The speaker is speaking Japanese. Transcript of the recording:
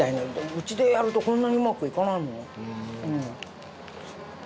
うちでやるとこんなにうまくいかないもん。